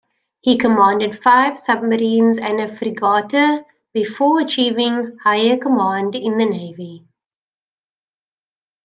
He commanded five submarines and a frigate before achieving higher command in the Navy.